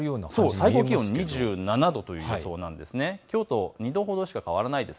最高気温２７度という予想なんです。